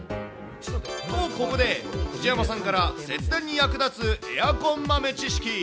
と、ここで藤山さんから節電に役立つエアコン豆知識。